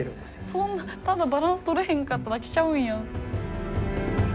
そんなただバランスとれへんかっただけちゃうんや。